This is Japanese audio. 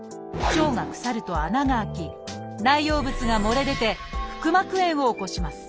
腸が腐ると穴が開き内容物が漏れ出て腹膜炎を起こします。